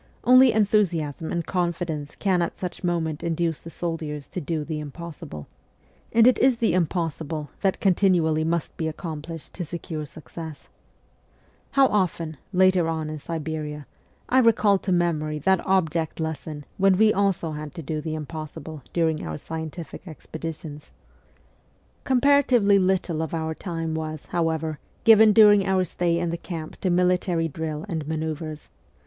Only enthusiasm and confidence can at such moments induce the soldiers to do ' the impossible ' and it is the impossible that continually must be accomplished to secure success. How often, later on in Siberia, I recalled to memory that object lesson when we also had to do the impossible during our scientific expeditions ! 144 MEMOIRS OF A REVOLUTIONIST Comparatively little of our time was, however, given during our stay in the camp to military drill and manoeuvres.